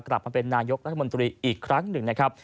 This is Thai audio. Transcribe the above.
กลับมาเป็นนายกรัฐมนตรีอีกครั้งหนึ่งนะครับ